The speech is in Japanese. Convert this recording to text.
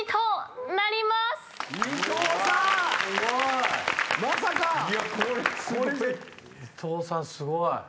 すごい。